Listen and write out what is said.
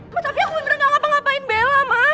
ma tapi aku bener gak ngapain ngapain bella ma